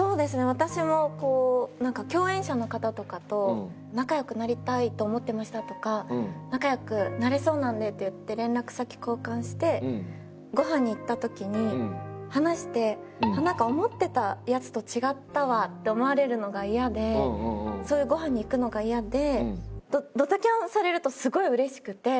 私もこうなんか共演者の方とかと「仲良くなりたいと思ってました」とか「仲良くなれそうなんで」って言って連絡先交換してごはんに行った時に話してなんか思ってたやつと違ったわって思われるのがイヤでそういうごはんに行くのがイヤでドタキャンされるとすごいうれしくて。